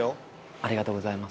ありがとうございます。